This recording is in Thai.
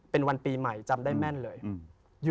เป็นวันปีใหม่จำได้แม่นเลย